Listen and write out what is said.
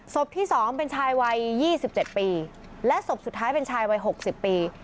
ที่๒เป็นชายวัย๒๗ปีและศพสุดท้ายเป็นชายวัย๖๐ปี